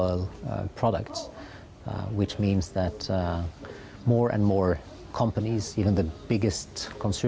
yang berarti lebih banyak perusahaan bahkan perusahaan konsumen terbesar global